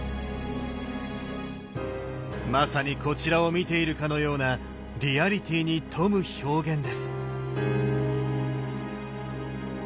まさにこちらを見ているかのようなリアリティーに富む表現です。